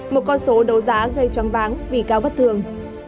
một con số đấu giá gây choáng váng vì cao bất thường